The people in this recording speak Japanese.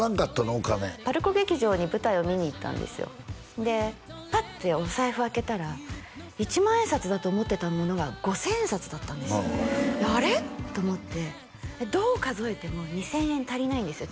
お金ＰＡＲＣＯ劇場に舞台を見に行ったんですよでパッてお財布開けたら１万円札だと思ってたものが５０００円札だったんですよあれ？と思ってどう数えても２０００円足りないんですよ